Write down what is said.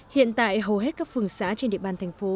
hiện tại hầu hết các phường xã trên địa bàn thành phố